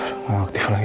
udah gak aktif lagi